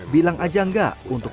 bilang aja enggak